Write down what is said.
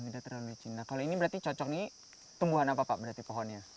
kalau ini berarti cocok tumbuhan apa pak berarti pohonnya